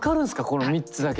この３つだけで。